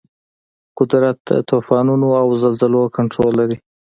قدرت د طوفانونو او زلزلو کنټرول لري.